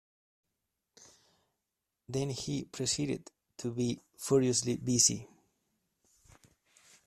Then he proceeded to be furiously busy.